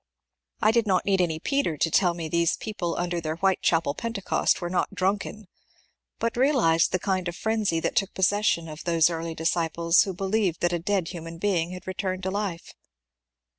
I did not need any Peter to tell me these people under their Whitechapel Pentecost were not ^^ drunken,'' but realized the kind of frenzy that took possession of those early disciples who believed that a dead human being had returned to life.